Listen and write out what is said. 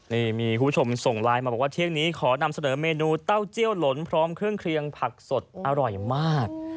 นี่มีคุณผู้ชมส่งไลน์มาบอกว่าเที่ยงนี้ขอนำเสนอเมนูเต้าเจี้ยหลนพร้อมเครื่องเคลียงผักสดอร่อยมาก